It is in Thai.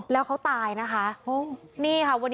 แล้วเขาตายนะคะ